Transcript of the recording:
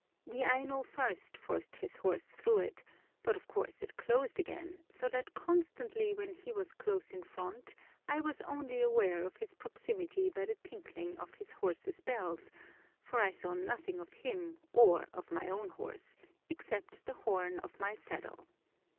The Aino first forced his horse through it, but of course it closed again, so that constantly when he was close in front I was only aware of his proximity by the tinkling of his horse's bells, for I saw nothing of him or of my own horse except the horn of my saddle.